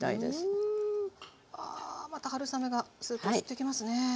あまた春雨がスープ吸ってきますね。